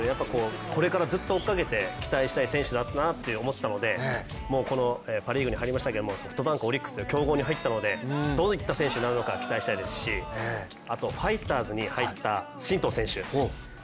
これからずっと追いかけて期待したい選手だなと思ったので、パ・リーグに入りましたけれども、ソフトバンク、オリックス、強豪に入ったので、どういった選手になるのか期待したいですしあとファイターズに入った進藤選手。